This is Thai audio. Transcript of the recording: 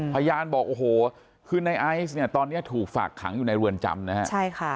พญานบอกคือไอศ์ตอนนี้ถูกฝากขังอยู่ในรวรจำ